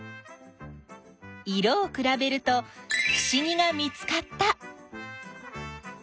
色をくらべるとふしぎが見つかった！